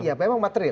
ya memang material